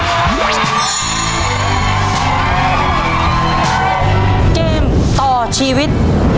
เกมต่อชีวิต